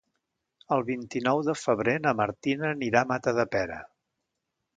El vint-i-nou de febrer na Martina anirà a Matadepera.